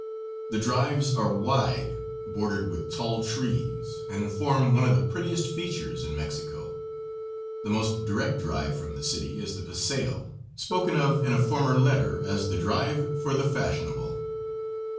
The drives are wide, bordered with tall trees, and form one of the prettiest features in Mexico. The most direct drive from the city is the paseo, spoken of in a former letter as the drive for the fashionable.